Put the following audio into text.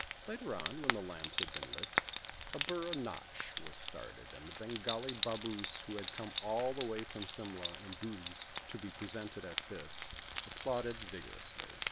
Later on, when the lamps had been lit, a burra nâtch was started, and the Bengali Baboos who had come all the way from Simla in dhoolies to be present at this, applauded vigorously.